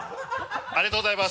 ありがとうございます！